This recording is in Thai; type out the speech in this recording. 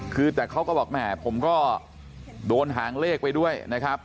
คือแต่เขาก็บอกแหมผมก็โดนหางเลขไปด้วยนะครับ